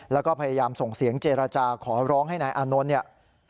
แล้วก็พยายามส่งเสียงเจรจาขอร้องให้นายอานนท์เนี่ย